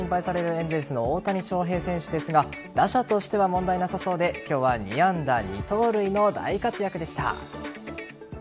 エンゼルスの大谷翔平選手ですが打者としては問題なさそうで今日は２安打２盗塁の大活躍でした。